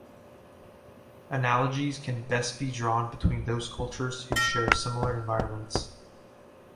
Analogies can best be drawn between those cultures who share similar environments.